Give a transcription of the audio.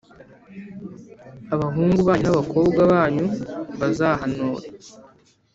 Abahungu banyu n’abakobwa banyu bazahanure,